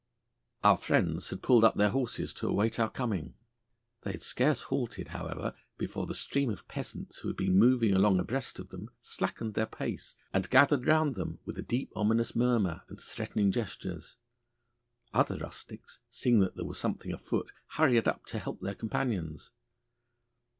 Our friends had pulled up their horses to await our coming. They had scarce halted, however, before the stream of peasants who had been moving along abreast of them slackened their pace, and gathered round them with a deep ominous murmur and threatening gestures. Other rustics, seeing that there was something afoot, hurried up to help their companions.